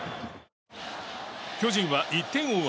巨人は１点を追う